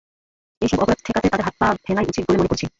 এই সব অপরাধ ঠেকাতে তাদের হাত-পা ভেঙাই উচিত বলে মনে করছি।